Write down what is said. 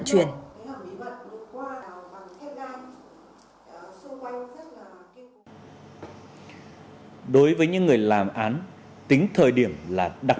cùng toàn bộ tăng vật